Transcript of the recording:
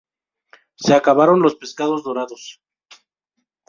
Se acabaron los pescados dorados.